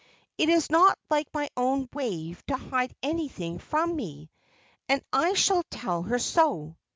It is not like my own Wave to hide anything from me, and I shall tell her so."